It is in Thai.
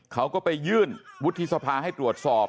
เขาก็ไปยื่นวุฒิสภาให้ตรวจสอบ